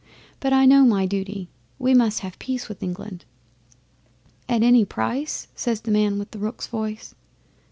"But I know my duty. We must have peace with England." '"At any price?" says the man with the rook's voice.